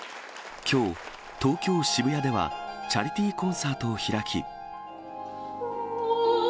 きょう、東京・渋谷では、チャリティーコンサートを開き。